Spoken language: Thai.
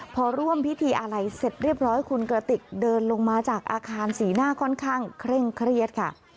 พอร่วมพิธีอะไรเสร็จเรียบร้อยคุณกระติกเดินลงมาจากอาคารสีหน้าค่อนข้างเคร่งเครียดค่ะ